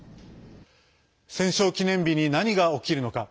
戦勝記念日に何が起きるのか。